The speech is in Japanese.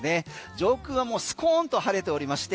上空はもうスコーンと晴れておりまして